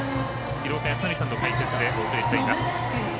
廣岡資生さんの解説でお送りしています。